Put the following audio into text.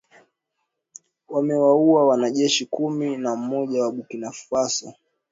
wamewaua wanajeshi kumi na moja wa Burkina Faso